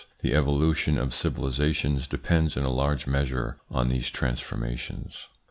The evolution of civilisations depends in a large measure on these transformations.